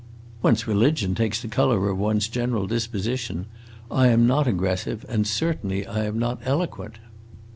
"One's religion takes the color of one's general disposition. I am not aggressive, and certainly I am not eloquent."